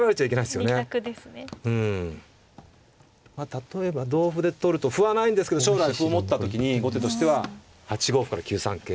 例えば同歩で取ると歩はないんですけど将来歩を持った時に後手としては８五歩から９三桂。